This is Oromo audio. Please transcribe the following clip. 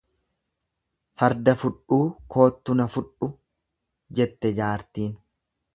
Farda fudhuu koottu na fudhu jette jaartiin.